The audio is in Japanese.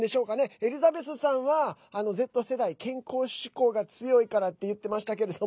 エリザベスさんはＺ世代、健康志向が強いからって言ってましたけれども。